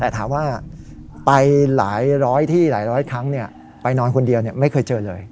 แต่ถามว่าไปหลายร้อยที่หลายร้อยครั้งไปนอนคนเดียวไม่เคยเจอเลย